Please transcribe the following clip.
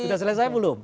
udah selesai belum